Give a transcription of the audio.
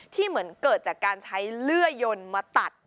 เหมือนเกิดจากการใช้เลื่อยยนมาตัด